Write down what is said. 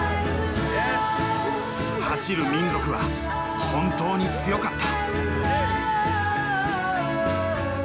走る民族は本当に強かった。